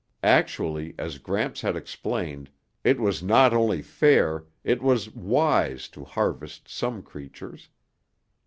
Actually, as Gramps had explained, it was not only fair, it was wise to harvest some creatures.